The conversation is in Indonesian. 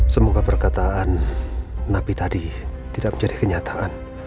semoga perkataan nabi tadi tidak menjadi kenyataan